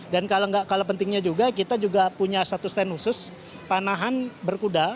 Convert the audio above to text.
dan kalau pentingnya juga kita juga punya satu stand khusus panahan berkuda